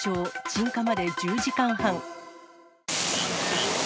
鎮火まで１０時間半。